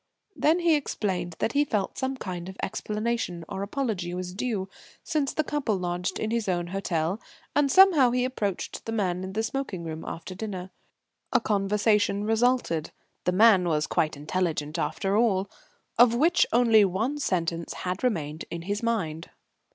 Then he explained that he felt some kind of explanation or apology was due, since the couple lodged in his own hotel, and how he approached the man in the smoking room after dinner. A conversation resulted the man was quite intelligent after all of which only one sentence had remained in his mind.